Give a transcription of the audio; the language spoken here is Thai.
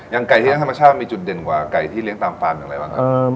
ไก่ที่เลี้ยธรรมชาติมีจุดเด่นกว่าไก่ที่เลี้ยงตามฟาร์มอย่างไรบ้างครับ